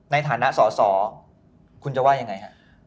ในฐานะสอสอคุณจะว่ายังไงฮะ